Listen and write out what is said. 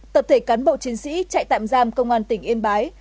tập thể cán bộ chiến sĩ trại tạm giam công an tỉnh yên bái